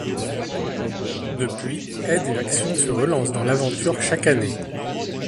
Depuis, Aide et Action se relance dans l'aventure chaque année.